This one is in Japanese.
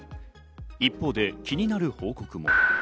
一方で気になる報告も。